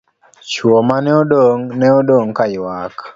Chuo mane odong', ne odong' kaywak.